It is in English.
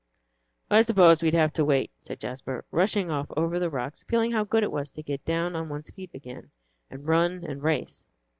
"I supposed we'd have to wait," said Jasper, rushing off over the rocks, feeling how good it was to get down on one's feet again, and run and race.